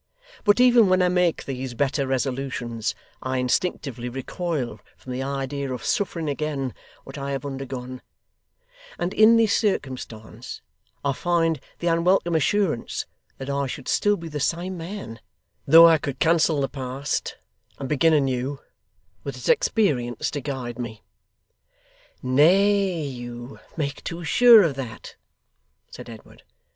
But even when I make these better resolutions, I instinctively recoil from the idea of suffering again what I have undergone; and in this circumstance I find the unwelcome assurance that I should still be the same man, though I could cancel the past, and begin anew, with its experience to guide me.' 'Nay, you make too sure of that,' said Edward.